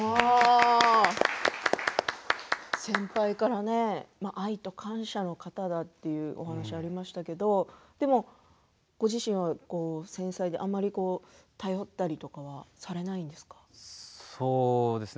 先輩からね愛と感謝の方だというお話でしたけれどご自身は繊細であまり頼ったりとかはされないんですか？